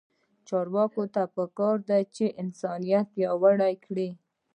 چارواکو ته پکار ده چې، انسانیت پیاوړی کړي.